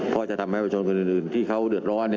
เพราะจะทำให้ประชนคนอื่นที่เขาเดือดร้อน